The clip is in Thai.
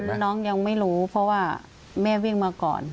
คือน้องยังไม่รู้เพราะว่าแม่วิ่งมาก่อน